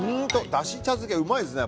だし茶漬けうまいですね。